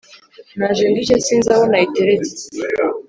Naje ndushye sinzi ahoo nayiteretsee